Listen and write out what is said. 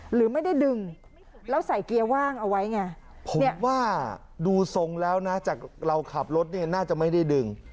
หรือไม่ได้ดึงแล้วใส่เกียร์ว่างเอาไว้ไงผมว่าดูทรงแล้วนะจากเราขับรถเนี่ยน่าจะไม่ได้ดึง